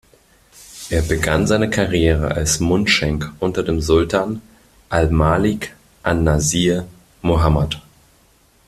Er begann seine Karriere als Mundschenk unter dem Sultan al-Malik an-Nasir Muhammad.